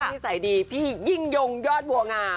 พี่ใสดีพี่ยิงยงยอดบัวงาม